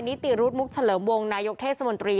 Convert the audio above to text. นิติรุธมุกเฉลิมวงนายกเทศมนตรี